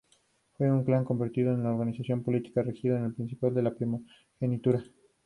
Es un clan convertido en organización política, regido por el principio de primogenitura.